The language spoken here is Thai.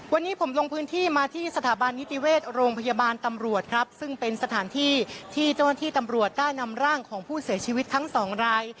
วันนี้ผมลงพื้นที่มาที่สถาบันนิติเวชโรงพยาบาลตำรวจครับซึ่งเป็นสถานที่ที่เจ้าหน้าที่ตำรวจได้นำร่างของผู้เสียชีวิตทั้งสองราย